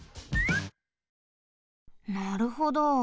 なるほど。